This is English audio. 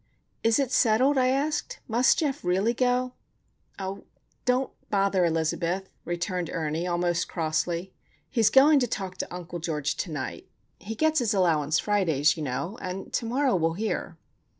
"Is it settled?" I asked. "Must Geof really go?" "Oh, don't bother, Elizabeth," returned Ernie, almost crossly. "He's going to talk to Uncle George to night. He gets his allowance Fridays, you know; and to morrow we'll hear."